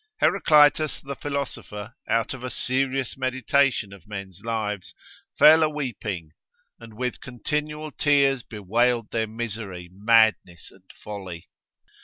Heraclitus the philosopher, out of a serious meditation of men's lives, fell a weeping, and with continual tears bewailed their misery, madness, and folly.